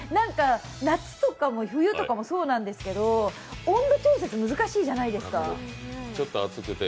夏とかも冬とかもそうなんですけど温度調節、難しいじゃないですか。